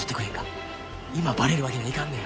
今バレるわけにはいかんのや。